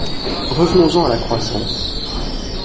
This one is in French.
Revenons-en à la croissance.